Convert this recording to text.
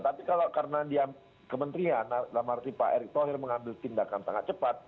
tapi kalau karena dia kementerian dalam arti pak erick thohir mengambil tindakan sangat cepat